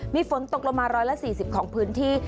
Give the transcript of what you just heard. มีฝนตกลงมาร้อยละ๔๐ของพื้นที่